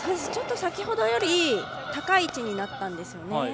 ちょっと先ほどより高い位置になったんですよね。